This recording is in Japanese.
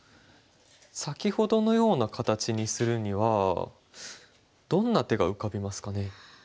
先ほどのような形にするにはどんな手が浮かびますかね。